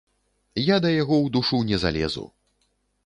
Я да яго ў душу не залезу.